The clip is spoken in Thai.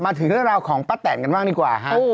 ถึงเรื่องราวของป้าแตนกันบ้างดีกว่าฮะ